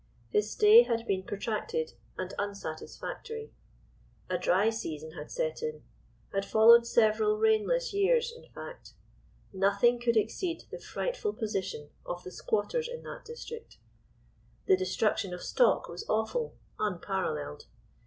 His stay had been protracted and unsatisfactory. A dry season had set in—had followed several rainless years, in fact—nothing could exceed the frightful position of the squatters in that district. The destruction of stock was awful, unparalleled.